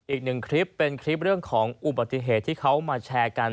อีกหนึ่งคลิปเป็นคลิปเรื่องของอุบัติเหตุที่เขามาแชร์กัน